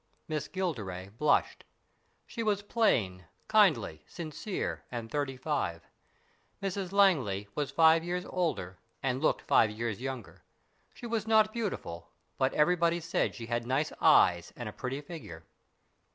Miss Gilderay blushed. She was plain, kindly, sincere, and thirty five. Mrs Langley was five years older and looked five years younger. She was not beautiful, but everybody said she had nice eyes and a pretty figure.